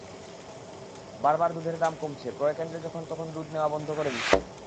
বারবার দুধের দাম কমছে, ক্রয়কেন্দ্রে যখন-তখন দুধ নেওয়া বন্ধ করে দিচ্ছে।